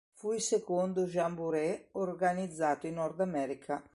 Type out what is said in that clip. Fu il secondo Jamboree organizzato in Nord America.